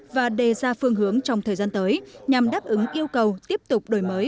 và đề ra phương hướng trong thời gian tới nhằm đáp ứng yêu cầu tiếp tục đổi mới